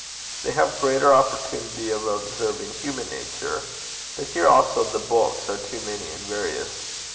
They have greater opportunity of observing human nature; but here also the books are too many and various.